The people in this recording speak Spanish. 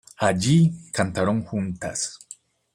Allí cantaron juntas.